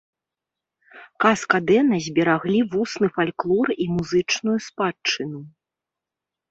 Каска-дэна збераглі вусны фальклор і музычную спадчыну.